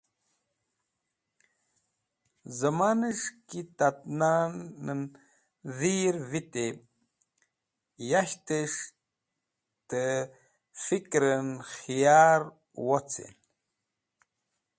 Zamanish ki Tat Nanen Dhir Vitey, Yashtes̃h tẽ Fikren Khiyar Wocen